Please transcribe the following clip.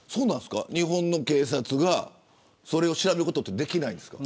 日本の警察がそれを調べることできないんですか。